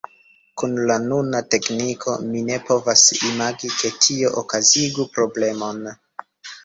Kun la nuna tekniko, mi ne povas imagi, ke tio okazigus problemon!